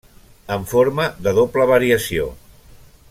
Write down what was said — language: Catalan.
En forma de doble variació.